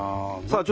さあ